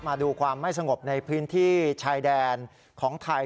มาดูความไม่สงบในพื้นที่ชายแดนของไทย